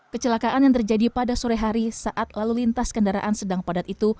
kecelakaan yang terjadi pada sore hari saat lalu lintas kendaraan sedang padat itu